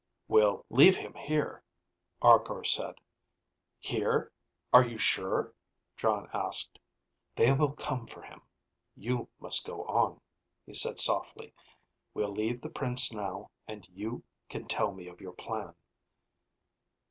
"We'll leave him here," Arkor said. "Here? Are you sure?" Jon asked. "They will come for him. You must go on," he said softly. "We'll leave the Prince now, and you can tell me of your plan."